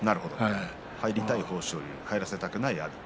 入りたい豊昇龍入らせたくない阿炎。